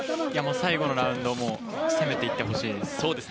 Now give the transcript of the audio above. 最後のラウンド攻めていってほしいです。